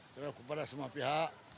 terima kasih kepada semua pihak